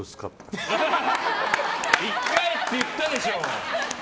１回って言ったでしょ！